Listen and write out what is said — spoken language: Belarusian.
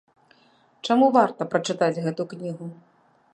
Чаму варта прачытаць гэту кнігу?